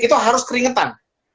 itu harus keringetan